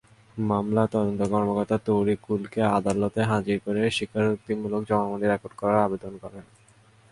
মামলার তদন্ত কর্মকর্তা তারিকুলকে আদালতে হাজির করে স্বীকারোক্তিমূলক জবানবন্দি রেকর্ড করার আবেদন করেন।